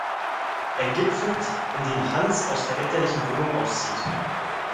Er gipfelt, indem Hans aus der elterlichen Wohnung auszieht.